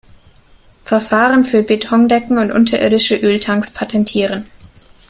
Verfahren für Betondecken und unterirdische Öltanks patentieren.